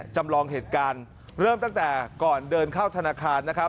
จำลองเหตุการณ์เริ่มตั้งแต่ก่อนเดินเข้าธนาคารนะครับ